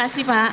terima kasih pak